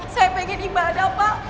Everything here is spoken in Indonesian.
saya pengen ibadah pak